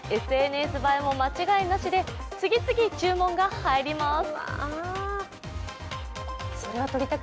ＳＮＳ映えも間違いなしで次々注文が入ります。